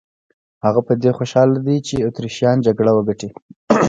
هغه په دې خوشاله دی چې اتریشیان جګړه وګټي.